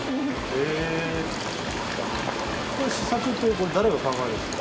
へぇ試作ってこれ誰が考えるんですか？